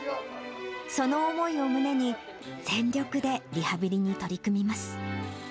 その思いを胸に、全力でリハビリに取り組みます。